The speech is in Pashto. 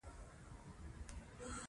غزني د افغانستان د بشري فرهنګ برخه ده.